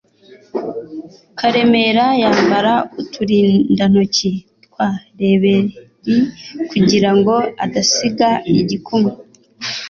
Karemera yambara uturindantoki twa reberi kugirango adasiga igikumwe